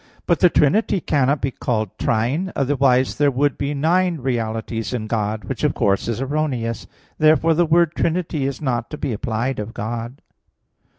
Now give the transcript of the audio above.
But the Trinity cannot be called trine; otherwise there would be nine realities in God; which, of course, is erroneous. Therefore the word trinity is not to be applied to God.